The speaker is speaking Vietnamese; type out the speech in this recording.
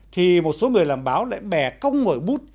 thì một số người làm báo lại bẻ cong ngồi bút